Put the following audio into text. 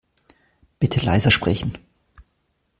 Bitte leiser sprechen.